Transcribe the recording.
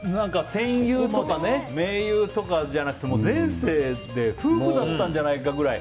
戦友とか盟友とかじゃなくて前世で夫婦だったんじゃないかぐらい。